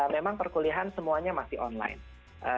memang perkuliahan semuanya masih online